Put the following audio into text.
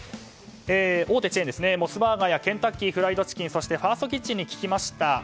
大手チェーン、モスバーガーやケンタッキーフライドチキンそしてファーストキッチンに聞きました。